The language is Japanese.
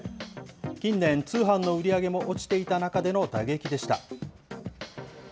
近年、通販の売り上げも落ちていた中での打撃でした。